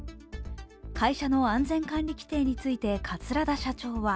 会社の安全管理規程について桂田社長は